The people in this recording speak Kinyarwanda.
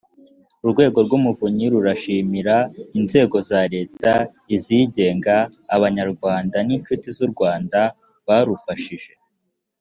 urwego rw umuvunyi rurashimira inzego za leta izigenga abanyarwanda n inshuti z u rwanda barufashije